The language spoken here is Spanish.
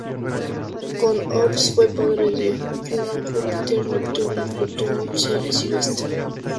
Con Ops fue padre de Juno, Júpiter, Neptuno, Plutón, Ceres y Vesta.